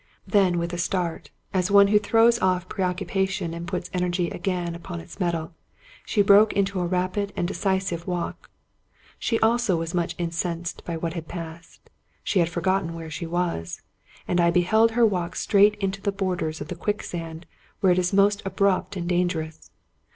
Then with a start, as one who throws off preoccupation and puts energy again upon its mettle, she broke into a rapid and decisive walk. She also was much incensed by what had passed. She had forgotten where she was. And I beheld her walk straight into the borders of the quicksand where it is most abrupt and dangerous.